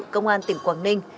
công an tỉnh quảng ninh